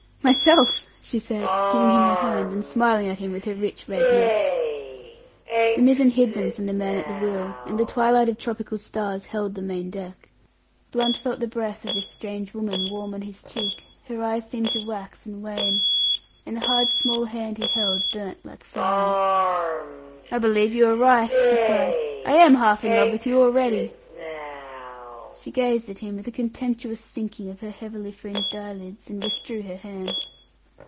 "Myself!" she said, giving him her hand and smiling at him with her rich red lips. The mizen hid them from the man at the wheel, and the twilight of tropical stars held the main deck. Blunt felt the breath of this strange woman warm on his cheek, her eyes seemed to wax and wane, and the hard, small hand he held burnt like fire. "I believe you are right," he cried. "I am half in love with you already." She gazed at him with a contemptuous sinking of her heavily fringed eyelids, and withdrew her hand.